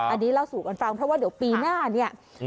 อันนี้เล่าสู่กันฟังเพราะว่าเดี๋ยวปีหน้าเนี่ย